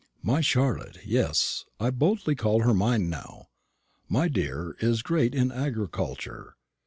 My Charlotte yes, I boldly call her mine now my dear is great in agriculture.